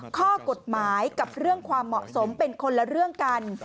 ข้อกฎหมายกับเรื่องความเหมาะสมเป็นคนละเรื่องกัน